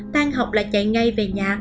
tan học là chạy ngay về nhà